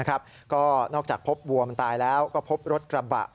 ก็นอกจากพบวัวมันตายแล้วก็พบรถกระบะ